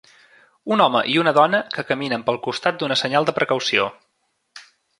Un home i una dona que caminen pel costat d'una senyal de precaució.